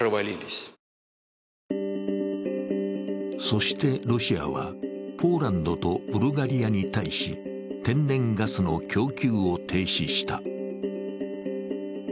そしてロシアはポーランドとブルガリアに対し天然ガスの供給を停止した。